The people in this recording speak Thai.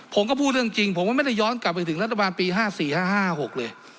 ผมก็พูดเรื่องจริงผมไม่ได้ย้อนกลับไปถึงรัฐบาลปีห้าสี่ห้าห้าหกเลย